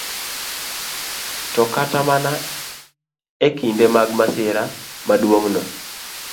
To kata mana e kinde mag masira maduong'no,